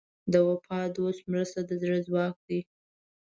د وفادار دوست مرسته د زړه ځواک دی.